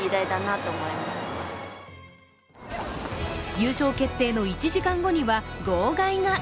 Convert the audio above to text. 優勝決定の１時間後には号外が。